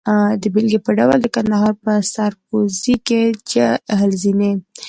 د بېلګې په ډول د کندهار په سرپوزي کې چهل زینې.